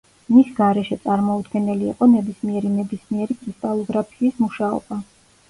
მის გარეშე წარმოუდგენელი იყო ნებისმიერი ნებისმიერი კრისტალოგრაფიის მუშაობა.